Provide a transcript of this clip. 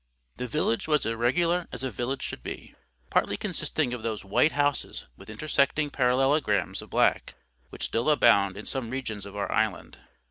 The village was as irregular as a village should be, partly consisting of those white houses with intersecting parallelograms of black which still abound in some regions of our island.